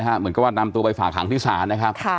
เหมือนกับว่านำตัวไปฝากหางที่ศาลนะครับ